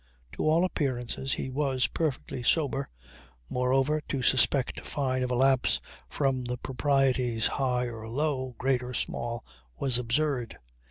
To all appearances he was perfectly sober; moreover to suspect Fyne of a lapse from the proprieties high or low, great or small, was absurd.